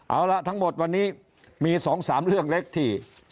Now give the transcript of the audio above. เอาละทั้งหมดวันนี้มี๒๓เรื่องเล็กที่